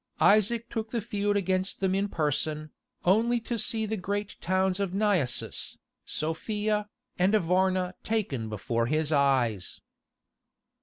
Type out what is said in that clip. Isaac took the field against them in person, only to see the great towns of Naissus, Sophia, and Varna taken before his eyes.